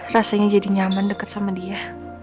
rasanya jadi nyaman deket sama dia